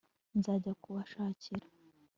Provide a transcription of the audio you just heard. nzajya kubashakira